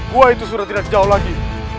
gua itu sudah tidak jauh lagi